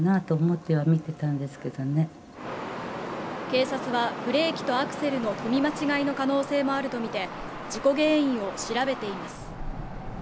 警察はブレーキとアクセルの踏み間違いの可能性もあるとみて事故原因を調べています